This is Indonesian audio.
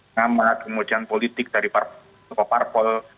ngamat kemudian politik dari parpol